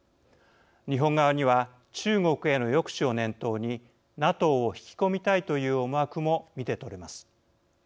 日本側には中国への抑止を念頭にＮＡＴＯを引き込みたいという思惑も見て取れます。